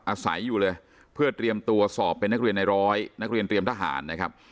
อาศัยอยู่เลยเพื่อเตรียมตัวสอบเป็นนักเรียนในร้อยนักเรียนเตรียมทหารนะครับ